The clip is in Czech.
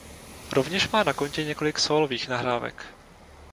Rovněž má na kontě několik sólových nahrávek.